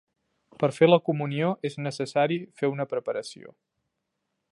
Per fer la comunió, és necessari fer una preparació.